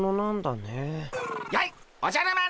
やいおじゃる丸！